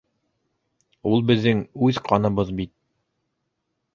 Ул беҙҙең үҙ ҡаныбыҙ бит.